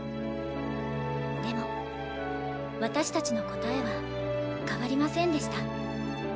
でも私たちの答えは変わりませんでした。